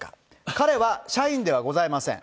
彼は社員ではございません。